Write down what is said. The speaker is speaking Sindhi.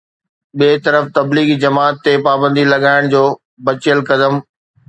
ٻئي طرف تبليغي جماعت تي پابندي لڳائڻ جو بچيل قدم